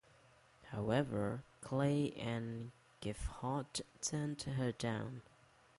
However, Clay and Gephardt turned her down.